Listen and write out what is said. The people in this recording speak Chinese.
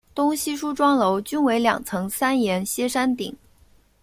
东西梳妆楼均为两层三檐歇山顶。